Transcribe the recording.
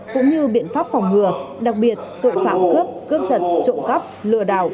cũng như biện pháp phòng ngừa đặc biệt tội phạm cướp cướp giật trộm cắp lừa đảo